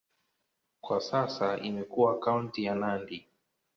Kwa sasa imekuwa kaunti ya Nandi.